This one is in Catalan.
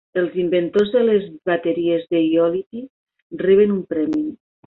Els inventors de les bateries de ió-liti reben un premi